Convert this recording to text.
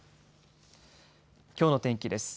きょうの天気です。